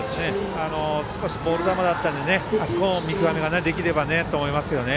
少しボール球だったのであそこの見極めができればと思いますけれども。